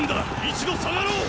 一度退がろう！